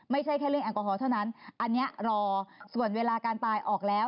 ไม่ใช่แค่เรื่องแอลกอฮอลเท่านั้นอันนี้รอส่วนเวลาการตายออกแล้ว